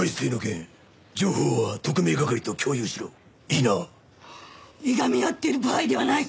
「いがみ合ってる場合ではない！